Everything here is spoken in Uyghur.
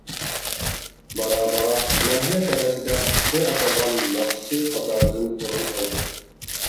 بارا-بارا ناھىيە تەۋەسىدە ئىسمى ئاتالغان ناخشىچى قاتارىدىن ئورۇن ئالدى.